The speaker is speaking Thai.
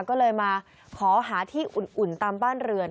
ก็เลยมาขอหาที่อุ่นตามบ้านเรือน